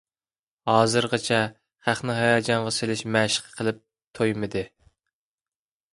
ھازىرغىچە خەقنى ھاياجانغا سېلىش مەشىقى قىلىپ تويمىدى.